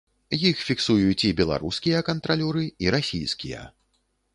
Іх фіксуюць і беларускія кантралёры, і расійскія.